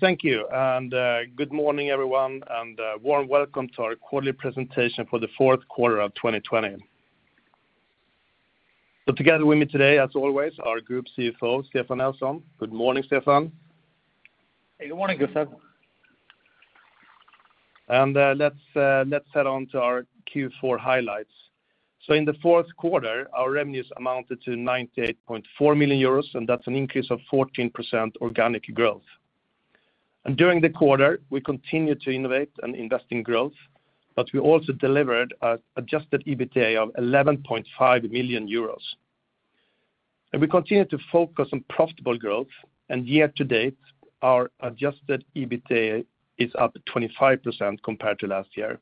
Thank you, good morning, everyone, and a warm welcome to our quarterly presentation for the fourth quarter of 2020. Together with me today, as always, our Group CFO, Stefan Nelson. Good morning, Stefan. Hey, good morning, Gustaf. Let's head on to our Q4 highlights. In the fourth quarter, our revenues amounted to 98.4 million euros, and that's an increase of 14% organic growth. During the quarter, we continued to innovate and invest in growth, but we also delivered an adjusted EBITDA of 11.5 million euros. We continued to focus on profitable growth, and year to date, our adjusted EBITDA is up 25% compared to last year.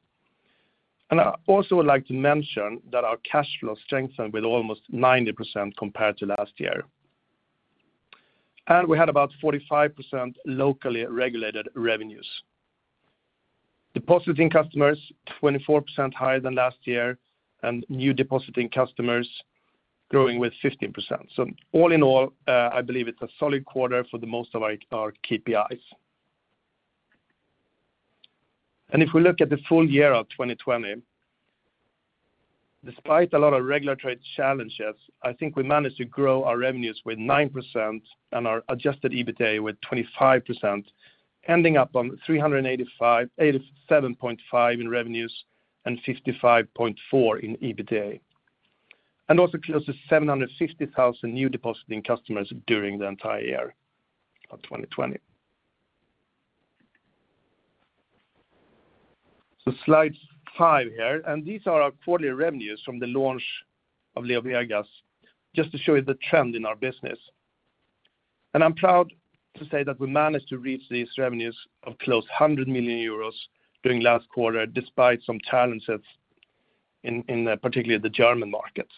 I also would like to mention that our cash flow strengthened with almost 90% compared to last year. We had about 45% locally regulated revenues. Depositing customers, 24% higher than last year, and new depositing customers growing with 15%. All in all, I believe it's a solid quarter for the most of our KPIs. If we look at the full-year of 2020, despite a lot of regulatory challenges, I think we managed to grow our revenues with 9% and our adjusted EBITDA with 25%, ending up on 387.5 in revenues and 55.4 in EBITDA, and also close to 750,000 new depositing customers during the entire year of 2020. Slide five here, these are our quarterly revenues from the launch of LeoVegas, just to show you the trend in our business. I'm proud to say that we managed to reach these revenues of close to 100 million euros during last quarter, despite some challenges in particularly the German markets.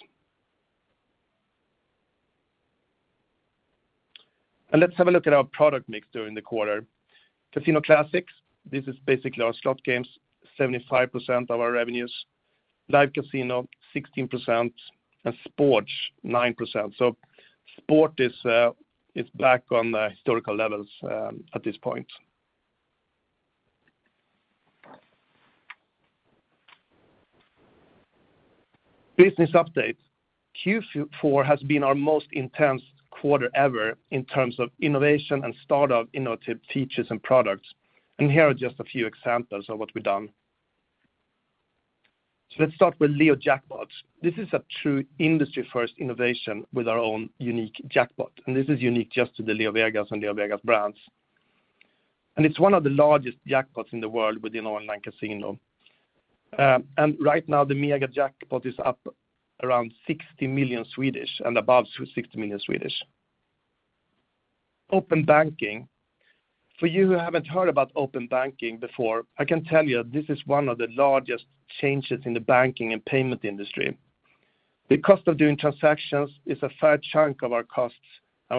Let's have a look at our product mix during the quarter. Classic Slots, this is basically our slot games, 75% of our revenues. Live casino, 16%, and sports, 9%. Sport is back on the historical levels at this point. Business update. Q4 has been our most intense quarter ever in terms of innovation and startup innovative features and products. Here are just a few examples of what we've done. Let's start with LeoJackpot. This is a true industry-first innovation with our own unique jackpot. This is unique just to the LeoVegas and LeoVegas brands. It's one of the largest jackpots in the world within online casino. Right now, the Mega Jackpot is up around 60 million and above 60 million. Open banking. For you who haven't heard about open banking before, I can tell you this is one of the largest changes in the banking and payment industry. The cost of doing transactions is a fair chunk of our costs.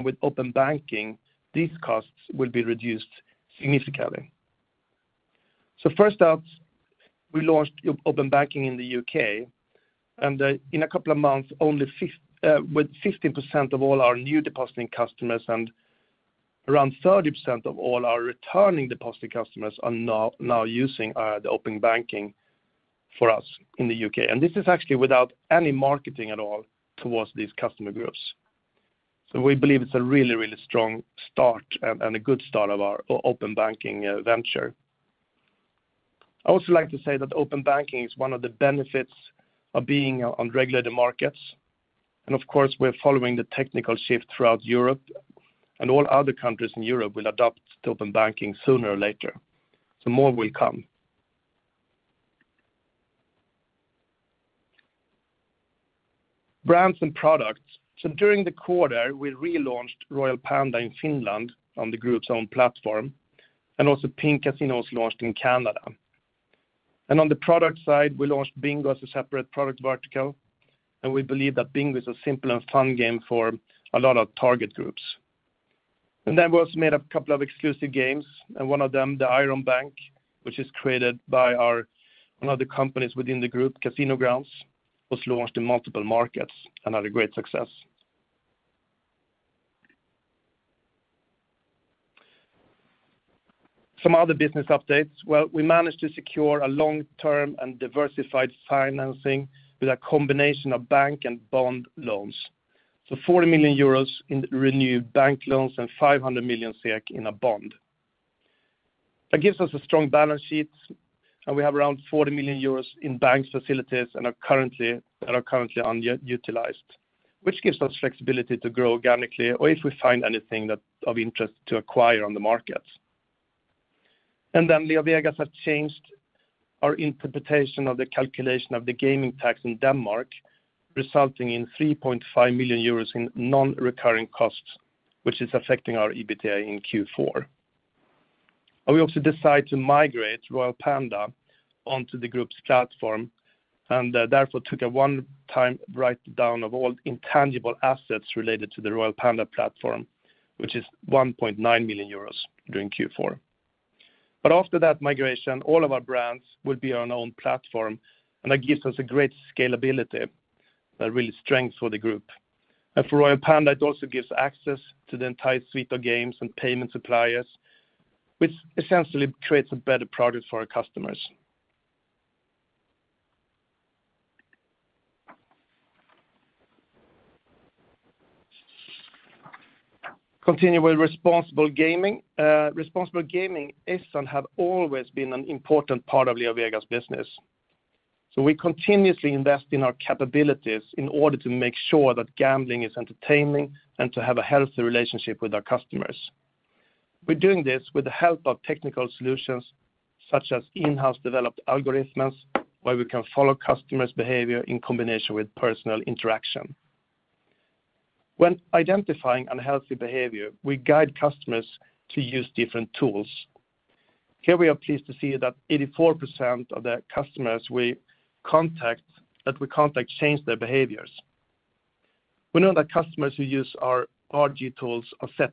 With open banking, these costs will be reduced significantly. First out, we launched open banking in the U.K., and in a couple of months, with 15% of all our new depositing customers and around 30% of all our returning depositing customers are now using the open banking for us in the U.K. This is actually without any marketing at all towards these customer groups. We believe it's a really, really strong start and a good start of our open banking venture. I also like to say that open banking is one of the benefits of being on regulated markets. Of course, we're following the technical shift throughout Europe, and all other countries in Europe will adopt open banking sooner or later. More will come. Brands and products. During the quarter, we relaunched Royal Panda in Finland on the group's own platform, and also Pink Casino was launched in Canada. On the product side, we launched Bingo as a separate product vertical, and we believe that Bingo is a simple and fun game for a lot of target groups. We also made up a couple of exclusive games, and one of them, the Iron Bank, which is created by one of the companies within the group, CasinoGrounds, was launched in multiple markets and had a great success. Some other business updates. Well, we managed to secure a long-term and diversified financing with a combination of bank and bond loans. 40 million euros in renewed bank loans and 500 million SEK in a bond. That gives us a strong balance sheet, and we have around 40 million euros in bank facilities that are currently underutilized, which gives us flexibility to grow organically or if we find anything of interest to acquire on the markets. Then LeoVegas have changed our interpretation of the calculation of the gaming tax in Denmark, resulting in 3.5 million euros in non-recurring costs, which is affecting our EBITDA in Q4. We also decided to migrate Royal Panda onto the group's platform and therefore took a one-time write-down of all intangible assets related to the Royal Panda platform, which is 1.9 million euros during Q4. After that migration, all of our brands will be on our own platform, and that gives us a great scalability, a real strength for the group. For Royal Panda, it also gives access to the entire suite of games and payment suppliers, which essentially creates a better product for our customers. Continue with Responsible Gaming. Responsible Gaming is and have always been an important part of LeoVegas business. We continuously invest in our capabilities in order to make sure that gambling is entertaining and to have a healthy relationship with our customers. We're doing this with the help of technical solutions such as in-house developed algorithms, where we can follow customers' behavior in combination with personal interaction. When identifying unhealthy behavior, we guide customers to use different tools. Here we are pleased to see that 84% of the customers that we contact change their behaviors. We know that customers who use our RG tools and set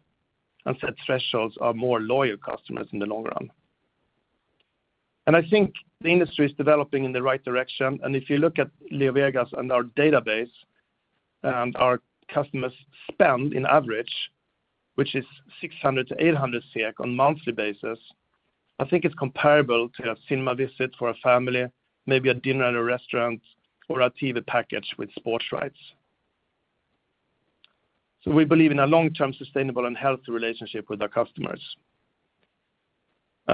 thresholds are more loyal customers in the long run. I think the industry is developing in the right direction, and if you look at LeoVegas and our database and our customers' spend in average, which is 600-800 SEK on monthly basis, I think it's comparable to a cinema visit for a family, maybe a dinner at a restaurant or a TV package with sports rights. We believe in a long-term, sustainable and healthy relationship with our customers.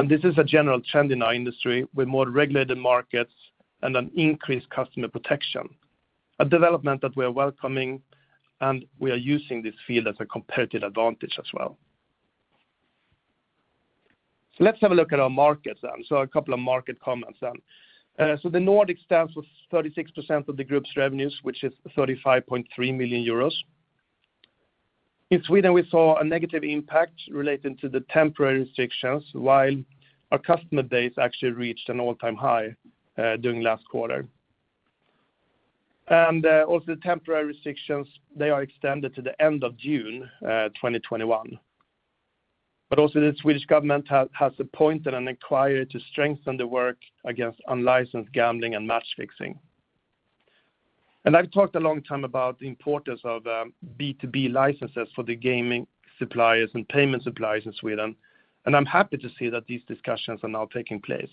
This is a general trend in our industry with more regulated markets and an increased customer protection, a development that we are welcoming, and we are using this field as a competitive advantage as well. Let's have a look at our markets then. A couple of market comments then. The Nordics stands for 36% of the group's revenues, which is 35.3 million euros. In Sweden, we saw a negative impact relating to the temporary restrictions while our customer days actually reached an all-time high during last quarter. The temporary restrictions, they are extended to the end of June 2021. The Swedish government has appointed an inquirer to strengthen the work against unlicensed gambling and match fixing. I've talked a long time about the importance of B2B licenses for the gaming suppliers and payment suppliers in Sweden, and I'm happy to see that these discussions are now taking place.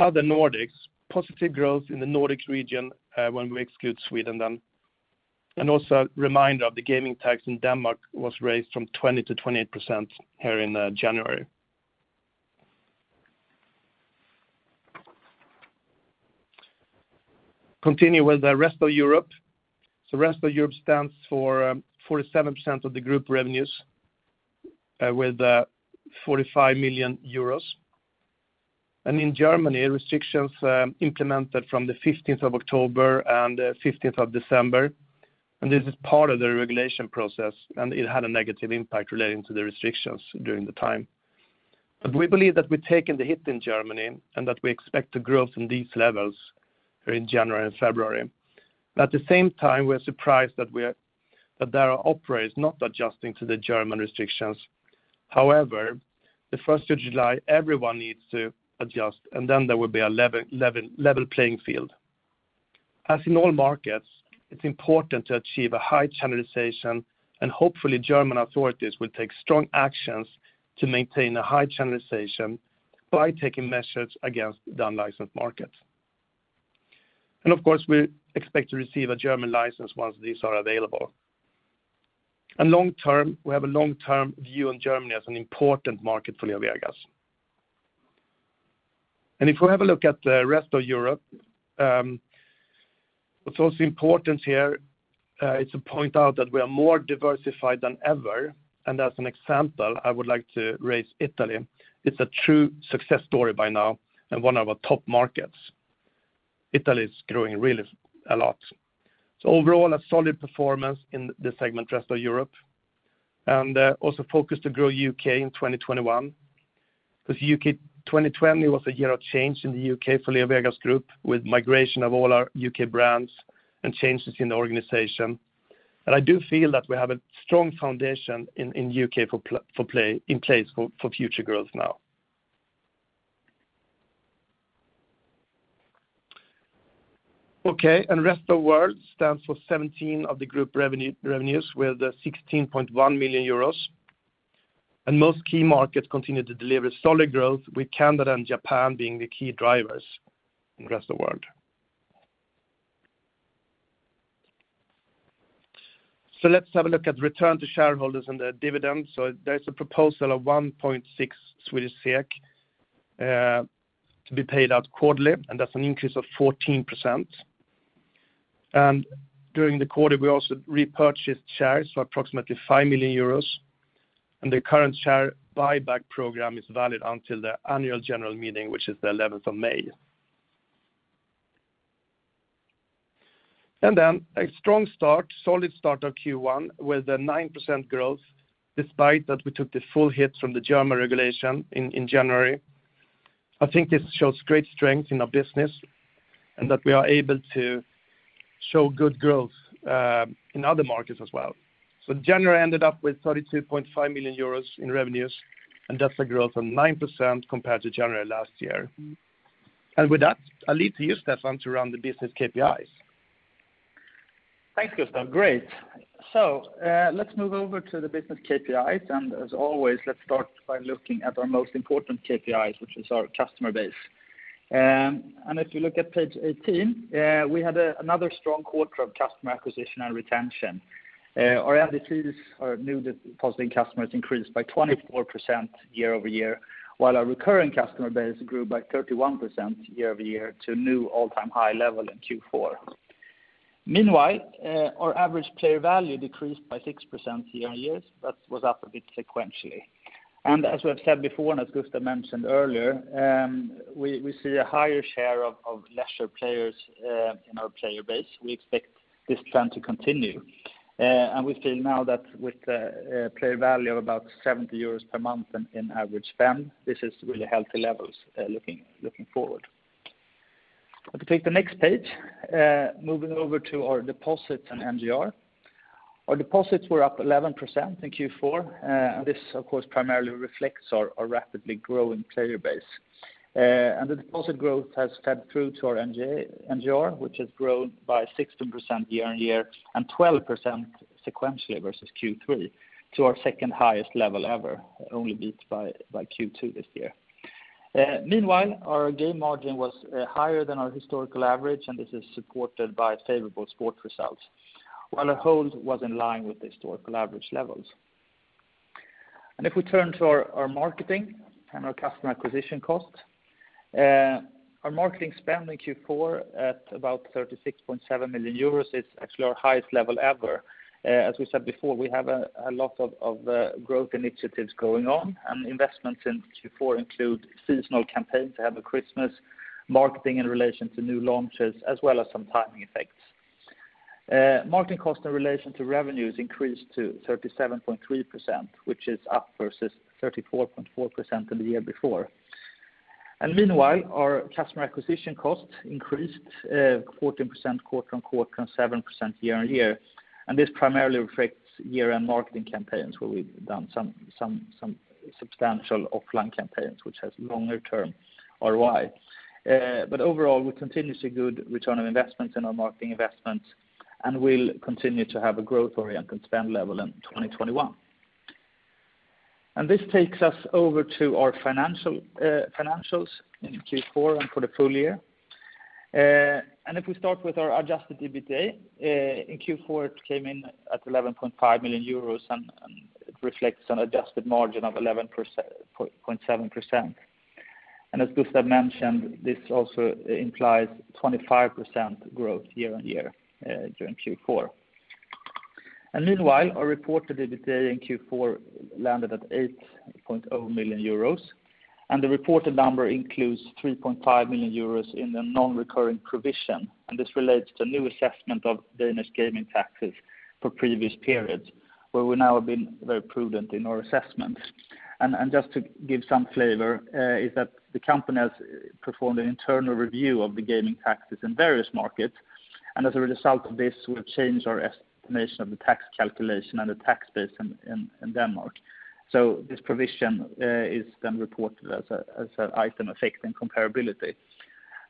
Other Nordics. Positive growth in the Nordics region when we exclude Sweden. A reminder that the gaming tax in Denmark was raised from 20% to 28% here in January. Continue with the rest of Europe. Rest of Europe stands for 47% of the group revenues with 45 million euros. In Germany, restrictions implemented from the 15th of October and 15th of December. This is part of the regulation process. It had a negative impact relating to the restrictions during the time. We believe that we've taken the hit in Germany and that we expect to grow from these levels here in January and February. At the same time, we're surprised that there are operators not adjusting to the German restrictions. However, the 1st of July, everyone needs to adjust. Then there will be a level playing field. As in all markets, it's important to achieve a high channelization. Hopefully German authorities will take strong actions to maintain a high channelization by taking measures against the unlicensed market. Of course, we expect to receive a German license once these are available. We have a long-term view on Germany as an important market for LeoVegas. If we have a look at the rest of Europe, what's also important here is to point out that we are more diversified than ever, and as an example, I would like to raise Italy. It's a true success story by now and one of our top markets. Italy is growing really a lot. Overall, a solid performance in the segment rest of Europe. Also focus to grow U.K. in 2021. Because U.K. 2020 was a year of change in the U.K. for LeoVegas group with migration of all our U.K. brands and changes in the organization. I do feel that we have a strong foundation in U.K. in place for future growth now. Okay, rest of world stands for 17 of the group revenues with 16.1 million euros. Most key markets continue to deliver solid growth with Canada and Japan being the key drivers in rest of world. Let's have a look at return to shareholders and the dividends. There's a proposal of 1.6 to be paid out quarterly, and that's an increase of 14%. During the quarter, we also repurchased shares for approximately 5 million euros, and the current share buyback program is valid until the annual general meeting, which is the 11th of May. A strong start, solid start of Q1 with a 9% growth despite that we took the full hit from the German regulation in January. I think this shows great strength in our business, and that we are able to show good growth in other markets as well. January ended up with 32.5 million euros in revenues, and that's a growth of 9% compared to January last year. With that, I'll lead to you, Stefan, to run the business KPIs. Thanks, Gustaf. Great. Let's move over to the business KPIs. As always, let's start by looking at our most important KPIs, which is our customer base. If you look at page 18, we had another strong quarter of customer acquisition and retention. Our actives or new depositing customers increased by 24% year-over-year, while our recurring customer base grew by 31% year-over-year to new all-time high level in Q4. Meanwhile, our average player value decreased by 6% year-over-year, but was up a bit sequentially. As we have said before, as Gustaf mentioned earlier, we see a higher share of leisure players in our player base. We expect this trend to continue. We feel now that with a player value of about 70 euros per month in average spend, this is really healthy levels looking forward. If you take the next page, moving over to our deposits and NGR. Our deposits were up 11% in Q4. This, of course, primarily reflects our rapidly growing player base. The deposit growth has fed through to our NGR, which has grown by 16% year-over-year and 12% sequentially versus Q3 to our second highest level ever, only beat by Q2 this year. Meanwhile, our game margin was higher than our historical average. This is supported by favorable sport results, while our hold was in line with historical average levels. If we turn to our marketing and our customer acquisition cost, our marketing spend in Q4 at about 36.7 million euros is actually our highest level ever. As we said before, we have a lot of growth initiatives going on, and investments in Q4 include seasonal campaign to have a Christmas marketing in relation to new launches, as well as some timing effects. Marketing cost in relation to revenues increased to 37.3%, which is up versus 34.4% in the year before. Meanwhile, our customer acquisition cost increased 14% quarter-on-quarter and 7% year-on-year. This primarily reflects year-end marketing campaigns where we've done some substantial offline campaigns, which has longer-term ROI. Overall, we continue to see good return of investment in our marketing investments, and we'll continue to have a growth-oriented spend level in 2021. This takes us over to our financials in Q4 and for the full-year. If we start with our adjusted EBITDA, in Q4, it came in at 11.5 million euros and it reflects an adjusted margin of 11.7%. As Gustaf mentioned, this also implies 25% growth year-over-year during Q4. Meanwhile, our reported EBITDA in Q4 landed at 8.0 million euros, and the reported number includes 3.5 million euros in the non-recurring provision, and this relates to new assessment of Danish gaming taxes for previous periods, where we now have been very prudent in our assessment. Just to give some flavor, is that the company has performed an internal review of the gaming taxes in various markets. As a result of this, we have changed our estimation of the tax calculation and the tax base in Denmark. This provision is then reported as an item affecting comparability.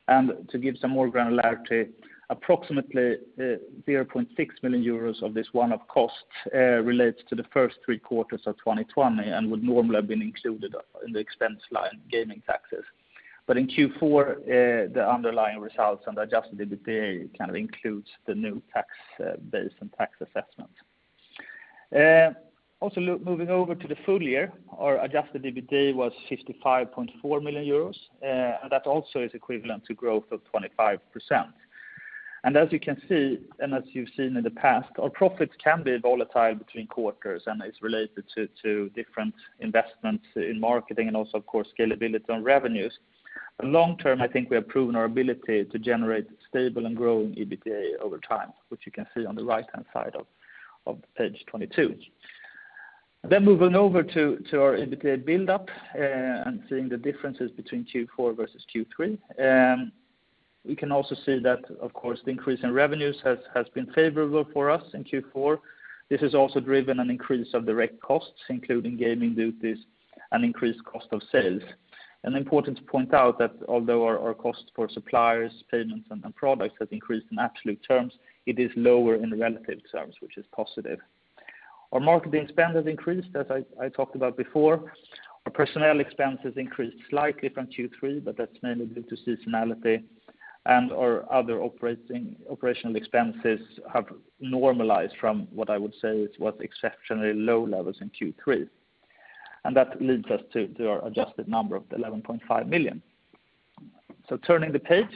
To give some more granularity, approximately 0.6 million euros of this one-off cost relates to the first three quarters of 2020 and would normally have been included in the expense line gaming taxes. In Q4, the underlying results and adjusted EBITDA kind of includes the new tax base and tax assessment. Moving over to the full-year, our adjusted EBITDA was 55.4 million euros. That also is equivalent to growth of 25%. As you can see, and as you've seen in the past, our profits can be volatile between quarters, and it's related to different investments in marketing and also, of course, scalability on revenues. Long term, I think we have proven our ability to generate stable and growing EBITDA over time, which you can see on the right-hand side of page 22. Moving over to our EBITDA build-up and seeing the differences between Q4 versus Q3. We can also see that, of course, the increase in revenues has been favorable for us in Q4. This has also driven an increase of direct costs, including gaming duties and increased cost of sales. Important to point out that although our cost for suppliers, payments, and products has increased in absolute terms, it is lower in relative terms, which is positive. Our marketing spend has increased, as I talked about before. Our personnel expenses increased slightly from Q3, but that's mainly due to seasonality, and our other operational expenses have normalized from what I would say was exceptionally low levels in Q3. That leads us to our adjusted number of 11.5 million. Turning the page,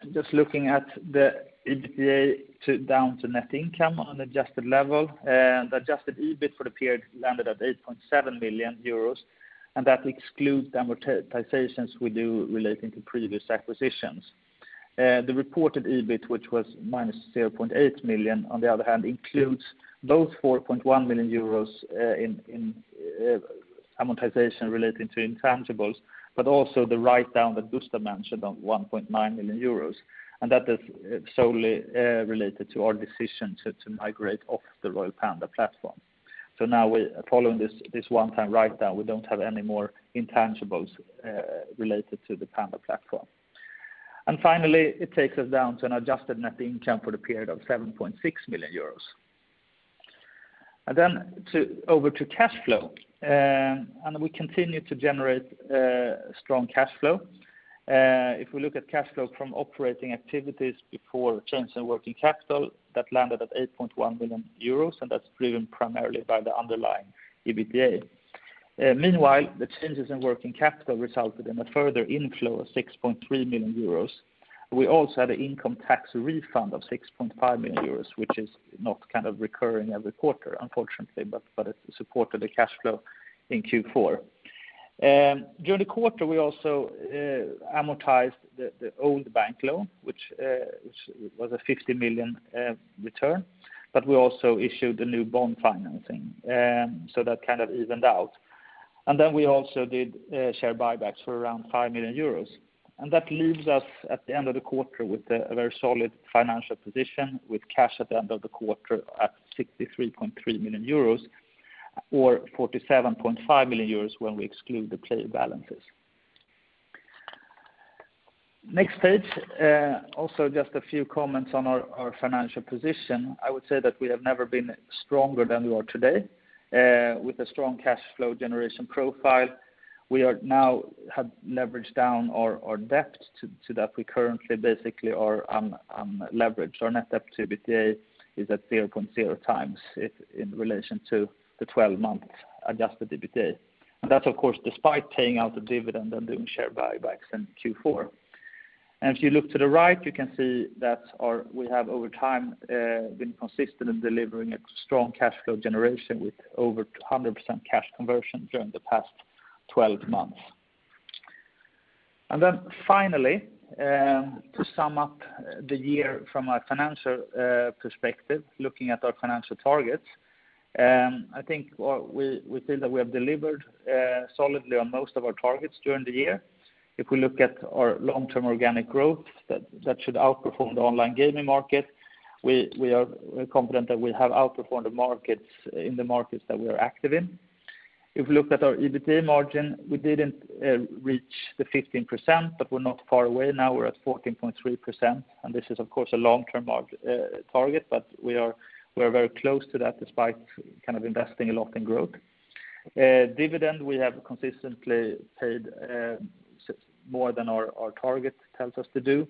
and just looking at the EBITDA down to net income on adjusted level. The adjusted EBIT for the period landed at 8.7 million euros. That excludes the amortizations we do relating to previous acquisitions. The reported EBIT, which was minus 0.8 million, on the other hand, includes those 4.1 million euros in amortization relating to intangibles, also the write-down that Gustaf mentioned of 1.9 million euros. That is solely related to our decision to migrate off the Royal Panda platform. Now, following this one-time write-down, we don't have any more intangibles related to the Panda platform. Finally, it takes us down to an adjusted net income for the period of 7.6 million euros. Over to cash flow. We continue to generate strong cash flow. If we look at cash flow from operating activities before changes in working capital, that landed at 8.1 million euros. That's driven primarily by the underlying EBITDA. Meanwhile, the changes in working capital resulted in a further inflow of 6.3 million euros. We also had an income tax refund of 6.5 million euros, which is not kind of recurring every quarter, unfortunately, but it supported the cash flow in Q4. During the quarter, we also amortized the old bank loan, which was a 50 million return. We also issued a new bond financing. That kind of evened out. We also did share buybacks for around 5 million euros. That leaves us at the end of the quarter with a very solid financial position with cash at the end of the quarter at 63.3 million euros or 47.5 million euros when we exclude the player balances. Next page, also just a few comments on our financial position. I would say that we have never been stronger than we are today with a strong cash flow generation profile. We now have leveraged down our debt so that we currently basically are unleveraged. Our net debt to EBITDA is at 0.0x in relation to the 12-month adjusted EBITDA. That's of course despite paying out the dividend and doing share buybacks in Q4. If you look to the right, you can see that we have, over time, been consistent in delivering a strong cash flow generation with over 100% cash conversion during the past 12 months. Finally, to sum up the year from a financial perspective, looking at our financial targets, I think we feel that we have delivered solidly on most of our targets during the year. If we look at our long-term organic growth, that should outperform the online gaming market. We are confident that we have outperformed in the markets that we are active in. If we look at our EBITDA margin, we didn't reach the 15%, but we're not far away. Now we're at 14.3%, and this is of course a long-term target, but we are very close to that despite kind of investing a lot in growth. Dividend we have consistently paid more than our target tells us to do.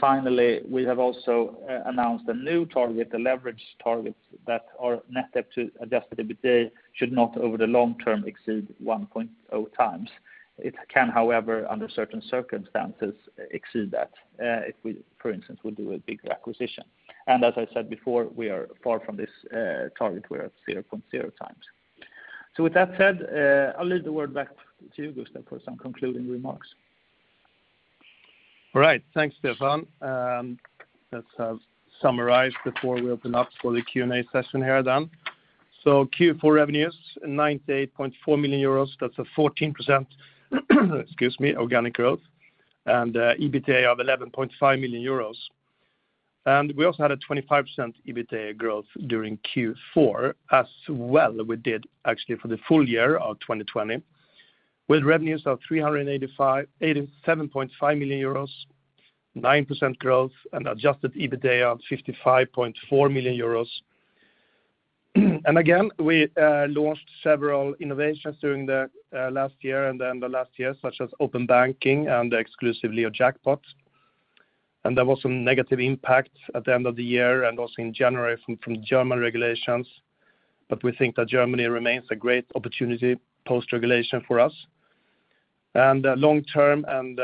Finally, we have also announced a new target, the leverage target that our net debt to adjusted EBITDA should not over the long term exceed 1.0x. It can, however, under certain circumstances, exceed that if we, for instance, will do a big acquisition. As I said before, we are far from this target. We are at 0.0x. With that said, I'll leave the word back to you, Gustaf, for some concluding remarks. All right. Thanks, Stefan. Let's summarize before we open up for the Q&A session here then. Q4 revenues, 98.4 million euros. That's a 14%, excuse me, organic growth, and EBITDA of 11.5 million euros. We also had a 25% EBITDA growth during Q4, as well we did actually for the full-year of 2020, with revenues of 387.5 million euros, 9% growth, and adjusted EBITDA of 55.4 million euros. Again, we launched several innovations during the last year and then the last year, such as open banking and the exclusive LeoJackpot. There was some negative impact at the end of the year and also in January from German regulations. We think that Germany remains a great opportunity post-regulation for us. Long-term and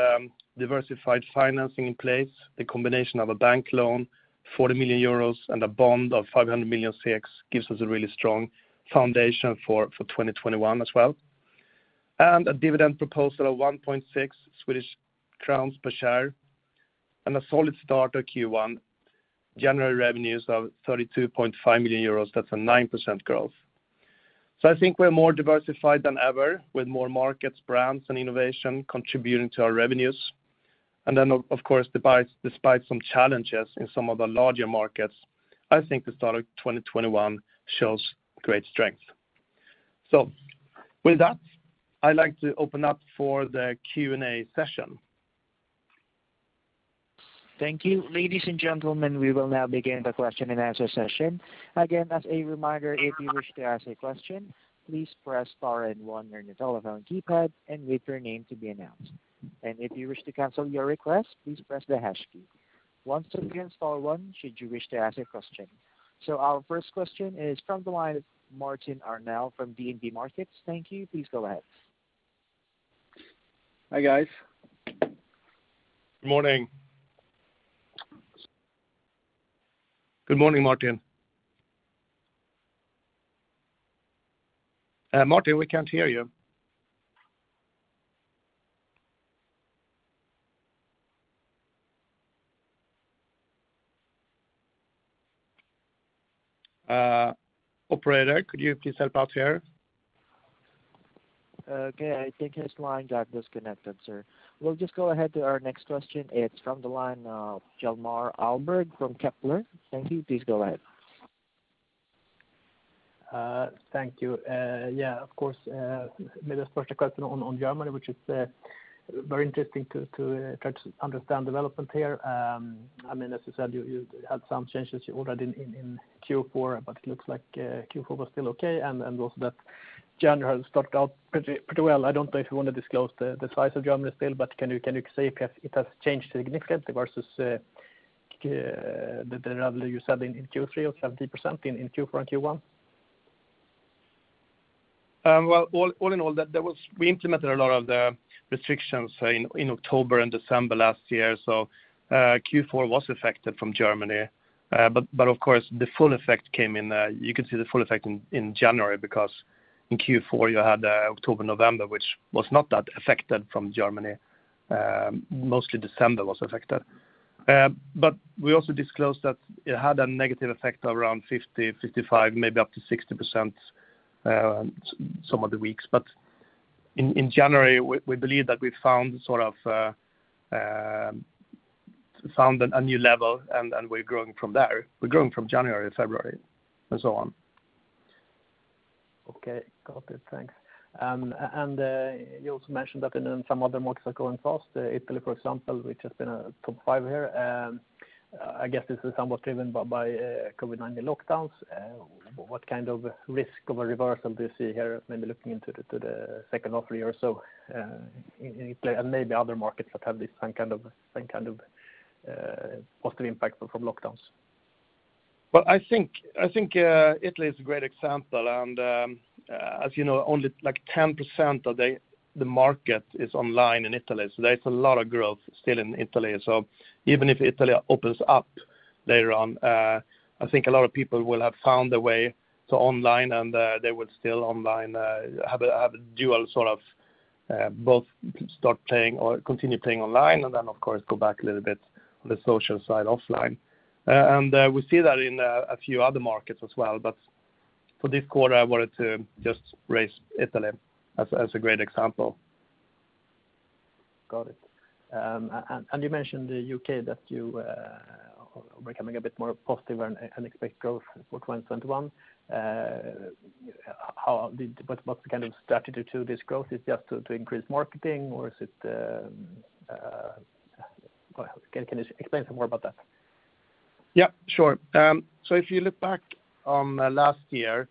diversified financing in place. The combination of a bank loan, 40 million euros, and a bond of 500 million gives us a really strong foundation for 2021 as well. A dividend proposal of 1.6 Swedish crowns per share and a solid start to Q1. January revenues of 32.5 million euros, that's a 9% growth. I think we're more diversified than ever with more markets, brands, and innovation contributing to our revenues. Of course, despite some challenges in some of the larger markets, I think the start of 2021 shows great strength. With that, I'd like to open up for the Q&A session. Thank you. Ladies and gentlemen, we will now begin the question-and-answer session. Our first question is from the line of Martin Arnell from DNB Markets. Thank you. Please go ahead. Hi, guys. Good morning. Good morning, Martin, we can't hear you. Operator, could you please help out here? Okay, I think his line got disconnected, sir. We'll just go ahead to our next question. It's from the line of Hjalmar Ahlberg from Kepler. Thank you. Please go ahead. Thank you. Yeah, of course. Maybe I'll first a question on Germany, which is very interesting to try to understand development there. As you said, you had some changes already in Q4, but it looks like Q4 was still okay, and also that January has started out pretty well. I don't know if you want to disclose the size of Germany still, but can you say if it has changed significantly versus the revenue you said in Q3 of 70% in Q4 and Q1? Well, all in all, we implemented a lot of the restrictions in October and December last year, so Q4 was affected from Germany. Of course, you could see the full effect in January, because in Q4, you had October, November, which was not that affected from Germany. Mostly December was affected. We also disclosed that it had a negative effect around 50, 55, maybe up to 60% some of the weeks. In January, we believe that we've found a new level, and we're growing from there. We're growing from January, February, and so on. Okay, got it. Thanks. You also mentioned that in some other markets are growing fast, Italy, for example, which has been a top five here. I guess this is somewhat driven by COVID-19 lockdowns. What kind of risk of a reversal do you see here, maybe looking into the second half of the year or so, in Italy and maybe other markets that have this same kind of positive impact from lockdowns? Well, I think Italy is a great example, and as you know, only 10% of the market is online in Italy. There is a lot of growth still in Italy. Even if Italy opens up later on, I think a lot of people will have found a way to online and they would still online, have a dual sort of both start playing or continue playing online and then of course, go back a little bit on the social side offline. We see that in a few other markets as well. For this quarter, I wanted to just raise Italy as a great example. Got it. You mentioned the U.K., that you are becoming a bit more positive and expect growth for 2021. What's the kind of strategy to this growth? Is it just to increase marketing, or can you explain some more about that? Yeah, sure. If you look back on last year,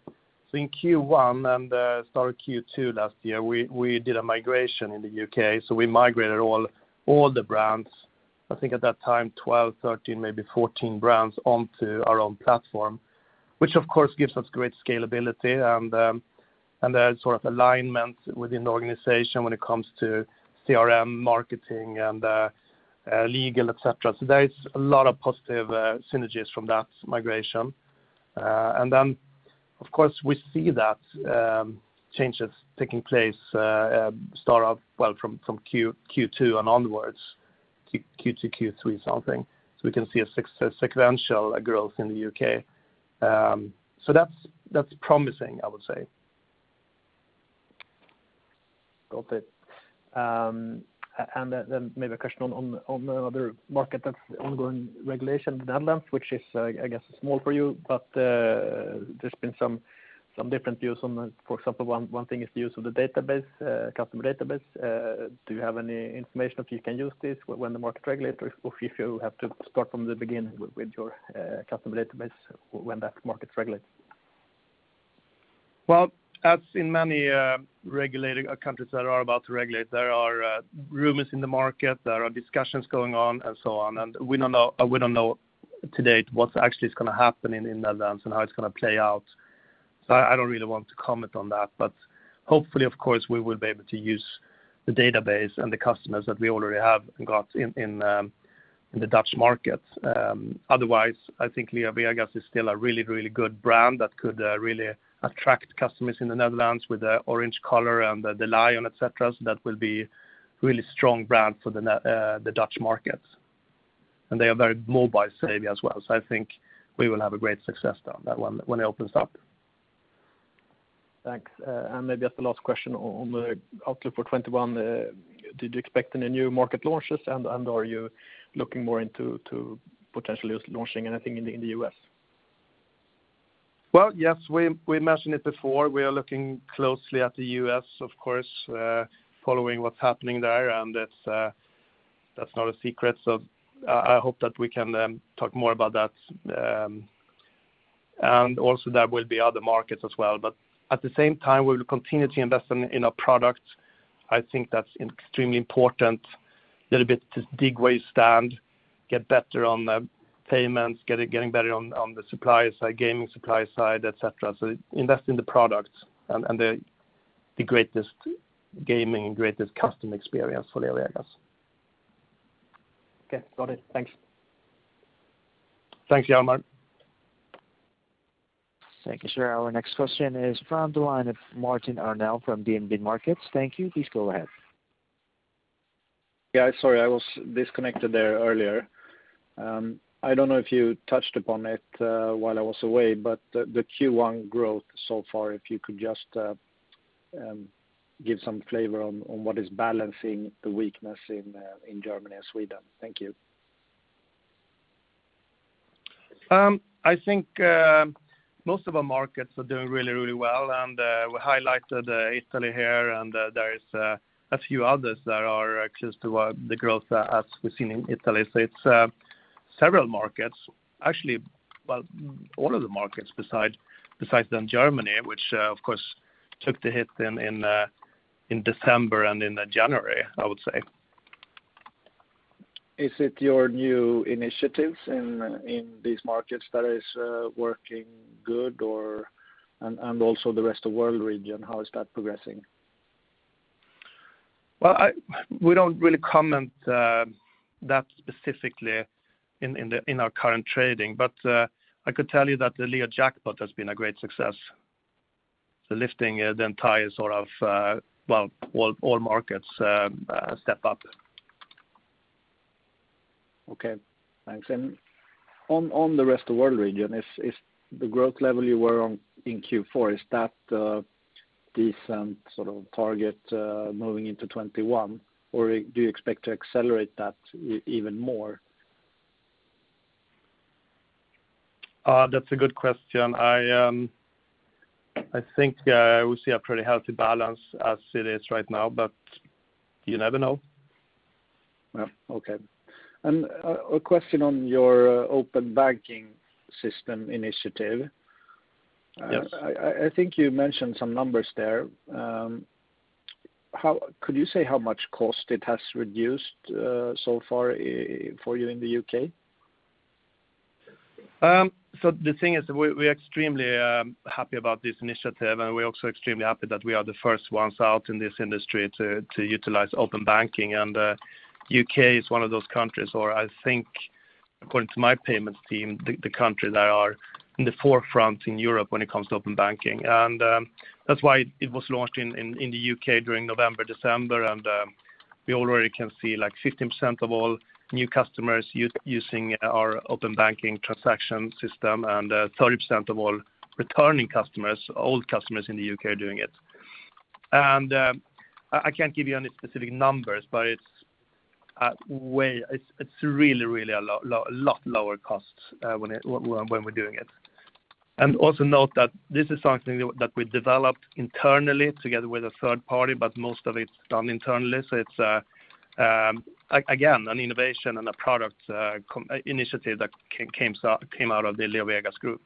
in Q1 and the start of Q2 last year, we did a migration in the U.K. We migrated all the brands, I think at that time, 12, 13, maybe 14 brands onto our own platform. Which of course gives us great scalability and then sort of alignment within the organization when it comes to CRM, marketing, and legal, et cetera. There is a lot of positive synergies from that migration. Of course, we see that changes taking place start off well from Q2 and onwards, Q2, Q3. We can see a sequential growth in the U.K. That's promising, I would say. Got it. Maybe a question on the other market that's ongoing regulation in the Netherlands, which is, I guess, small for you, but there's been some different views on that. For example, one thing is the use of the customer database. Do you have any information if you can use this when the market regulates, or if you have to start from the beginning with your customer database when that market regulates? Well, as in many regulating countries that are about to regulate, there are rumors in the market, there are discussions going on and so on, and we don't know to date what actually is going to happen in the Netherlands and how it's going to play out. I don't really want to comment on that, but hopefully, of course, we will be able to use the database and the customers that we already have got in the Dutch market. Otherwise, I think LeoVegas is still a really good brand that could really attract customers in the Netherlands with the orange color and the lion, et cetera. That will be really strong brand for the Dutch market. They are very mobile-savvy as well, so I think we will have a great success there when it opens up. Thanks. Maybe just the last question on the outlook for 2021. Did you expect any new market launches, and are you looking more into potentially launching anything in the U.S.? Well, yes, we mentioned it before. We are looking closely at the U.S., of course, following what's happening there, and that's not a secret. I hope that we can talk more about that. Also there will be other markets as well. At the same time, we will continue to invest in our product. I think that's extremely important, a little bit to dig where you stand, get better on the payments, getting better on the supplier side, gaming supplier side, et cetera. Invest in the products and the greatest gaming and greatest customer experience for LeoVegas. Okay, got it. Thanks. Thanks, Hjalmar. Thank you, sir. Our next question is from the line of Martin Arnell from DNB Markets. Thank you. Please go ahead. Yeah, sorry, I was disconnected there earlier. I don't know if you touched upon it while I was away, but the Q1 growth so far, if you could just give some flavor on what is balancing the weakness in Germany and Sweden. Thank you. I think most of our markets are doing really well, and we highlighted Italy here and there is a few others that are close to the growth as we've seen in Italy. It's several markets, actually, well, all of the markets besides then Germany, which, of course, took the hit then in December and in January, I would say. Is it your new initiatives in these markets that is working good, and also the rest of world region, how is that progressing? Well, we don't really comment that specifically in our current trading. I could tell you that the LeoJackpot has been a great success, lifting the entire sort of all markets a step up. Okay, thanks. On the rest-of-world region, the growth level you were on in Q4, is that a decent sort of target moving into 2021, or do you expect to accelerate that even more? That's a good question. I think we see a pretty healthy balance as it is right now, but you never know. Yeah. Okay. A question on your open banking system initiative. I think you mentioned some numbers there. Could you say how much cost it has reduced so far for you in the U.K.? The thing is, we are extremely happy about this initiative, and we're also extremely happy that we are the first ones out in this industry to utilize open banking. U.K. is one of those countries, or I think according to my payments team, the country that are in the forefront in Europe when it comes to open banking. That's why it was launched in the U.K. during November, December. We already can see like 15% of all new customers using our open banking transaction system and 30% of all returning customers, old customers in the U.K. are doing it. I can't give you any specific numbers, but it's really a lot lower costs when we're doing it. Also note that this is something that we developed internally together with a third party, but most of it's done internally. It's again, an innovation and a product initiative that came out of the LeoVegas group.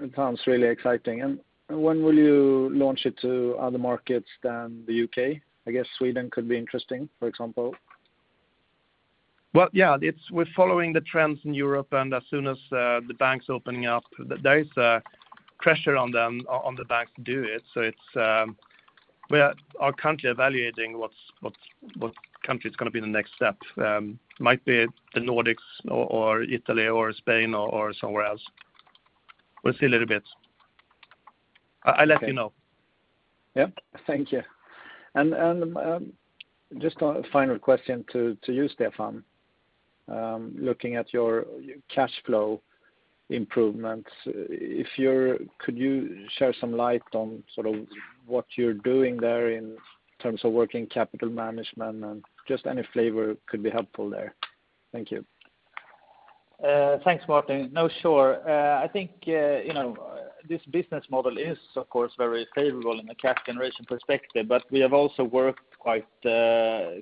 It sounds really exciting. When will you launch it to other markets than the U.K.? I guess Sweden could be interesting, for example. Yeah, we're following the trends in Europe, and as soon as the banks opening up, there is pressure on the banks to do it. We are currently evaluating what country is going to be the next step. Might be the Nordics or Italy or Spain or somewhere else. We'll see a little bit. I'll let you know. Yeah. Thank you. Just a final question to you, Stefan. Looking at your cash flow improvements, could you share some light on sort of what you're doing there in terms of working capital management and just any flavor could be helpful there. Thank you. Thanks, Martin. No, sure. I think this business model is, of course, very favorable in a cash generation perspective, but we have also worked quite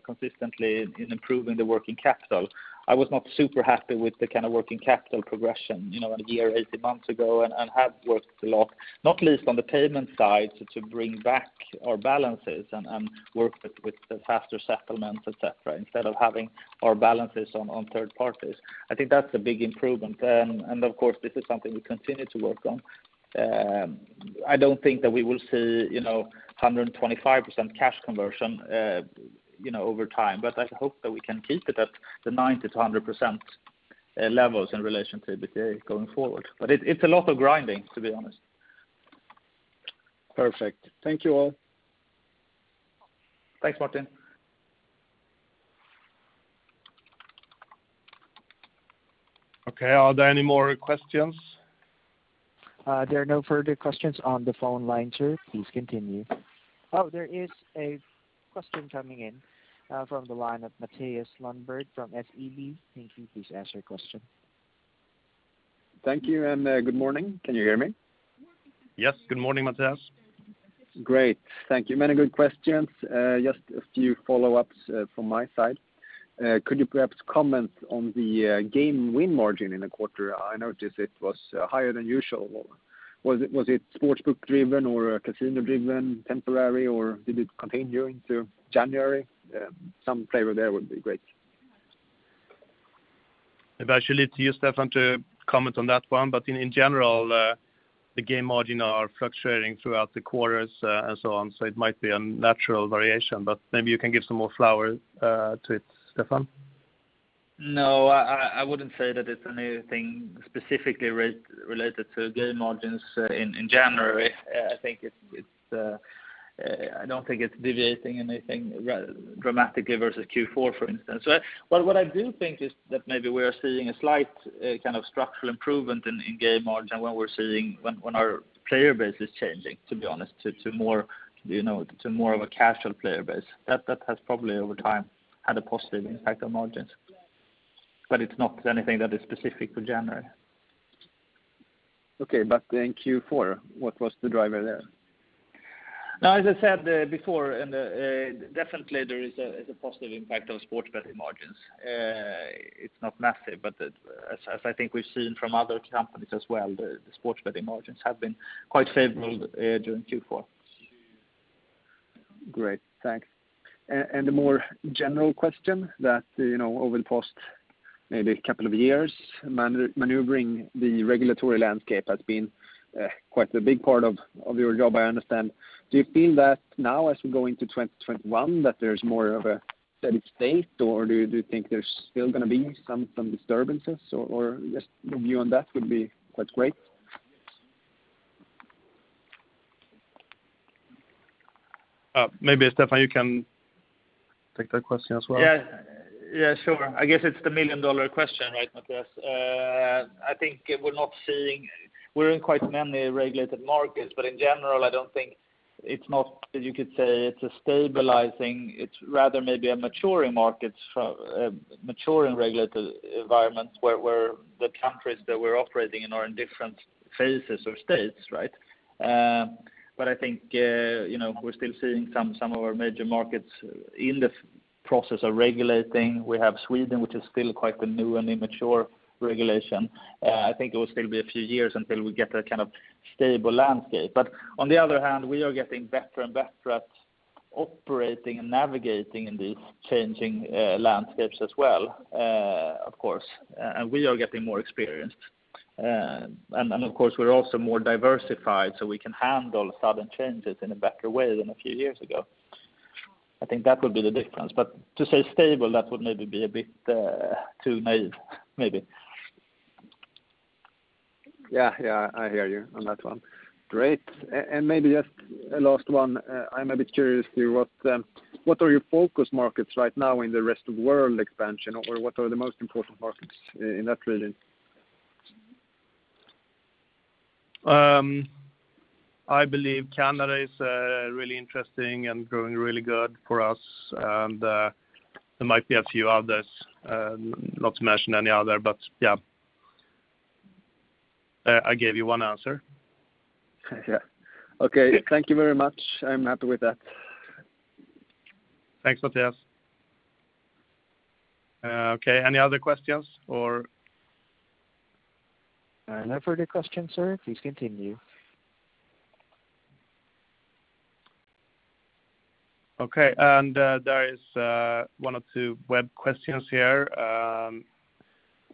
consistently in improving the working capital. I was not super happy with the kind of working capital progression a year, 18 months ago, and have worked a lot, not least on the payment side, to bring back our balances and work with the faster settlements, et cetera, instead of having our balances on third parties. I think that's a big improvement. Of course, this is something we continue to work on. I don't think that we will see 125% cash conversion over time, but I hope that we can keep it at the 90%-100% levels in relation to EBITDA going forward. It's a lot of grinding, to be honest. Perfect. Thank you, all. Thanks, Martin. Okay. Are there any more questions? There are no further questions on the phone line, sir. Please continue. Oh, there is a question coming in from the line of Mathias Lundberg from SEB. Thank you. Please ask your question. Thank you. Good morning. Can you hear me? Yes. Good morning, Mathias. Great. Thank you. Many good questions. Just a few follow-ups from my side. Could you perhaps comment on the game win margin in the quarter? I noticed it was higher than usual. Was it sportsbook driven or casino driven, temporary, or did it continue into January? Some flavor there would be great. Maybe I should leave it to you, Stefan, to comment on that one. In general, the game margin are fluctuating throughout the quarters and so on. It might be a natural variation, but maybe you can give some more flavor to it, Stefan. I wouldn't say that it's anything specifically related to game margins in January. I don't think it's deviating anything dramatically versus Q4, for instance. What I do think is that maybe we are seeing a slight structural improvement in game margin when our player base is changing, to be honest, to more of a casual player base. That has probably, over time, had a positive impact on margins. It's not anything that is specific to January. Okay, in Q4, what was the driver there? As I said before, definitely there is a positive impact on sports betting margins. It's not massive. As I think we've seen from other companies as well, the sports betting margins have been quite favorable during Q4. Great. Thanks. A more general question that, over the past maybe couple of years, maneuvering the regulatory landscape has been quite a big part of your job, I understand. Do you feel that now as we go into 2021, that there's more of a steady state, or do you think there's still going to be some disturbances? Just your view on that would be quite great. Maybe Stefan Nelson, you can take that question as well. Yeah. Sure. I guess it's the million-dollar question, right, Mathias? I think we're in quite many regulated markets. In general, I don't think you could say it's a stabilizing, it's rather maybe a maturing markets, maturing regulated environments where the countries that we're operating in are in different phases or states. I think we're still seeing some of our major markets in the process of regulating. We have Sweden, which is still quite the new and immature regulation. I think it will still be a few years until we get that kind of stable landscape. On the other hand, we are getting better and better at operating and navigating in these changing landscapes as well, of course. We are getting more experienced. Of course, we are also more diversified, we can handle sudden changes in a better way than a few years ago. I think that would be the difference. To say stable, that would maybe be a bit too naive, maybe. Yeah. I hear you on that one. Great. Maybe just a last one. I'm a bit curious to what are your focus markets right now in the rest of world expansion? What are the most important markets in that journey? I believe Canada is really interesting and growing really good for us, and there might be a few others. Not to mention any other, but yeah. I gave you one answer. Yeah. Okay. Thank you very much. I'm happy with that. Thanks, Mathias. Okay. Any other questions, or? No further questions, sir. Please continue. Okay. There is one or two web questions here.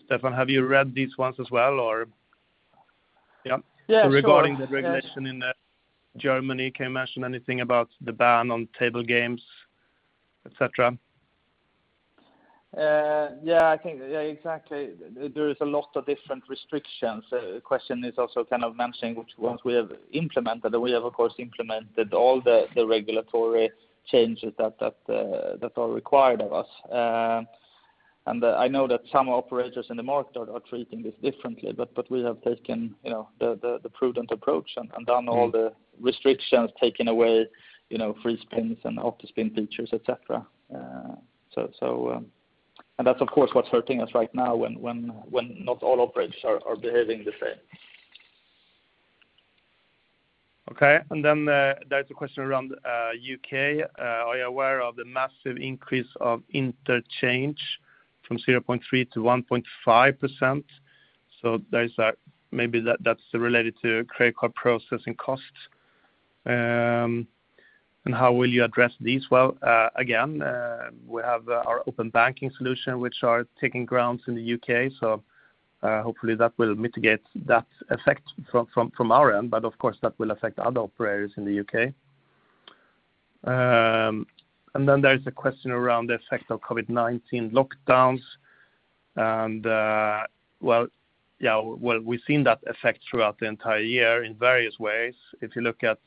Stefan, have you read these ones as well, or? Yeah. Regarding the regulation in Germany, can you mention anything about the ban on table games, et cetera? Yeah, exactly. There is a lot of different restrictions. Question is also kind of mentioning which ones we have implemented. We have, of course, implemented all the regulatory changes that are required of us. I know that some operators in the market are treating this differently, but we have taken the prudent approach and done all the restrictions, taken away free spins and auto spin features, et cetera. That's, of course, what's hurting us right now when not all operators are behaving the same. Okay. There is a question around U.K. Are you aware of the massive increase of interchange from 0.3% to 1.5%? Maybe that's related to credit card processing costs. How will you address these? Well, again, we have our open banking solution, which are taking grounds in the U.K. Hopefully that will mitigate that effect from our end. Of course, that will affect other operators in the U.K. There is a question around the effect of COVID-19 lockdowns, and well, we've seen that effect throughout the entire year in various ways. If you look at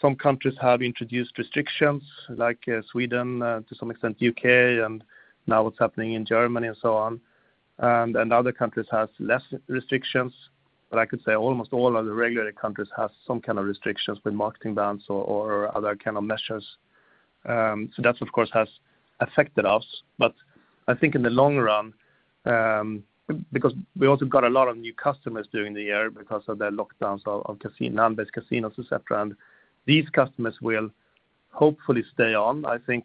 some countries have introduced restrictions, like Sweden, to some extent U.K., and now what's happening in Germany and so on. Other countries have less restrictions. I could say almost all of the regulated countries have some kind of restrictions with marketing bans or other kind of measures. That, of course, has affected us. I think in the long run, because we also got a lot of new customers during the year because of the lockdowns of land-based casinos, et cetera, and these customers will hopefully stay on. I think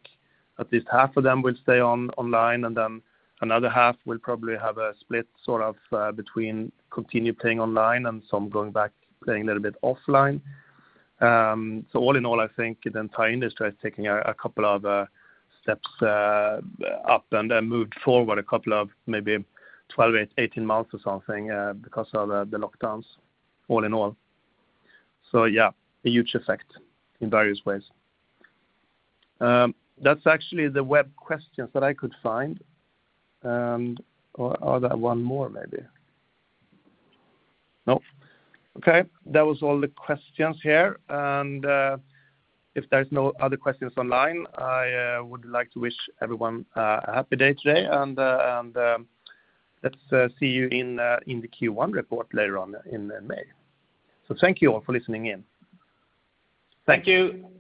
at least half of them will stay online, and then another half will probably have a split sort of between continue playing online and some going back playing a little bit offline. All in all, I think the entire industry is taking a couple of steps up and then moved forward a couple of maybe 12, 18 months or something because of the lockdowns, all in all. Yeah, a huge effect in various ways. That's actually the web questions that I could find. Are there one more, maybe? Nope. Okay. That was all the questions here. If there's no other questions online, I would like to wish everyone a happy day today, and let's see you in the Q1 report later on in May. Thank you all for listening in. Thank you.